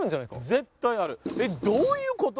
絶対あるえっどういうこと？